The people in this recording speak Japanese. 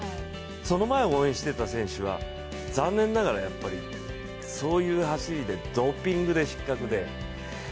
その前、応援していた選手は残念ながらやっぱり、そういう走りでドーピングで失格で。